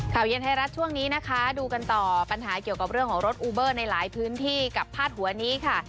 ข่าวเย็นไทยรัฐช่วงนี้นะคะดูกันต่อปัญหาเกี่ยวกับเรื่องของรถอูเบอร์ในหลายพื้นที่กับพาดหัวนี้ค่ะ